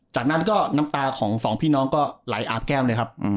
จากนั้นก็น้ำตาของสองพี่น้องก็ไหลอาบแก้มเลยครับ